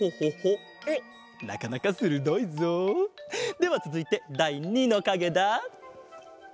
なかなかするどいぞ！ではつづいてだい２のかげだ。